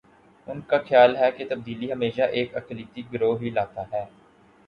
ان کا خیال ہے کہ تبدیلی ہمیشہ ایک اقلیتی گروہ ہی لاتا ہے۔